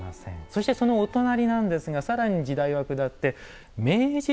そしてそのお隣なんですが更に時代は下って明治時代の作品です。